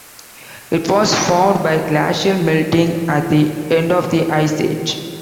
It was formed by glacial melting at the end of the Ice Age.